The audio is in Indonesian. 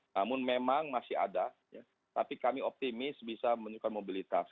namun memang masih ada tapi kami optimis bisa menunjukkan mobilitas